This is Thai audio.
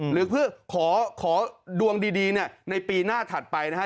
หรือเพื่อขอดวงดีในปีหน้าถัดไปนะฮะ